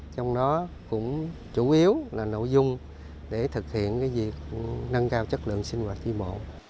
trong đó cũng chủ yếu là nội dung để thực hiện việc nâng cao chất lượng sinh hoạt tri bộ